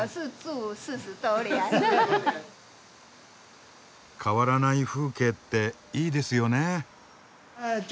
変わらない風景っていいですよね？